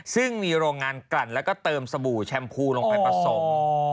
ซึ่งมีโรงงานกลั่นแล้วก็เติมสบู่แชมพูลงไปผสม